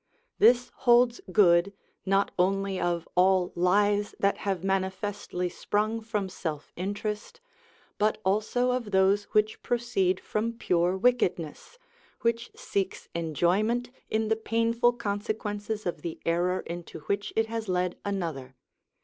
This holds good not only of all lies that have manifestly sprung from self interest, but also of those which proceed from pure wickedness, which seeks enjoyment in the painful consequences of the error into which it has led another.